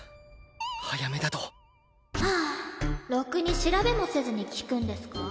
早めだとはあろくに調べもせずに聞くんですか？